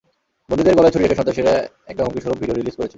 বন্দীদের গলায় ছুরি রেখে সন্ত্রাসীরা একটা হুমকি স্বরুপ ভিডিও রিলিজ করেছে।